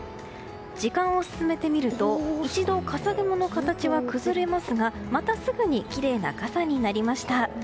時間を進めてみると一度、笠雲の形は崩れますが、またすぐにきれいなかさになりました。